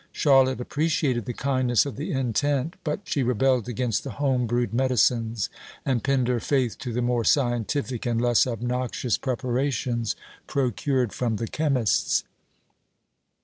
Charlotte appreciated the kindness of the intent, but she rebelled against the home brewed medicines, and pinned her faith to the more scientific and less obnoxious preparations procured from the chemist's.